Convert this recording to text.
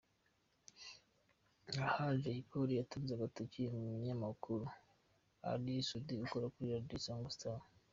Aha Jay Polly yatunze agatoki umunyamakuru Ally Soudy ukora kuri Radio Isango Star.